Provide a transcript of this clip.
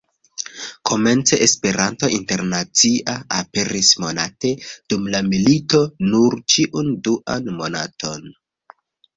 Komence "Esperanto Internacia" aperis monate, dum la milito nur ĉiun duan monaton.